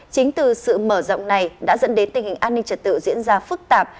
chính từ sự mở rộng này đã dẫn đến tình hình an ninh trật tự diễn ra phức tạp